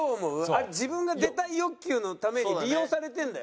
あれ自分が出たい欲求のために利用されてるんだよ？